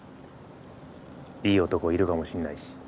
いい男いるかもしんないし。